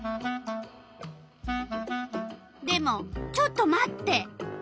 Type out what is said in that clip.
でもちょっと待って。